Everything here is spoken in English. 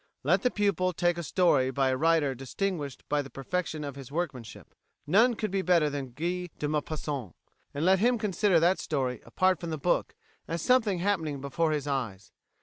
Let the pupil take a story by a writer distinguished by the perfection of his workmanship none could be better than Guy de Maupassant and let him consider that story apart from the book as something happening before his eyes.